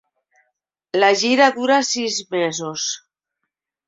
La gira durà sis mesos.